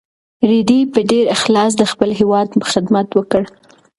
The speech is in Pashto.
رېدي په ډېر اخلاص د خپل هېواد خدمت وکړ.